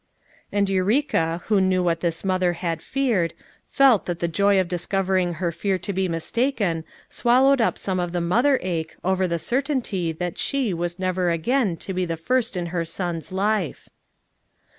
And Eureka, who knew what this mother had feared, felt that the joy of discovering her fear to be mistaken swallowed up some of the 374 FOUR MOTHERS AT CHAUTAUQUA mother ache over the certainty that she was never again to he first in her son's life.